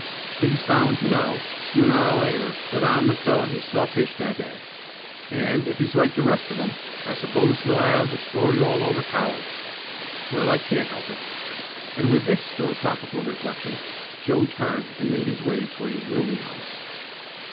But he's bound to know, sooner or later, that I'm the fellow he saw pitch that day, and, if he's like the rest of 'em I suppose he'll have the story all over college. Well, I can't help it." And with this philosophical reflection Joe turned and made his way toward his rooming house.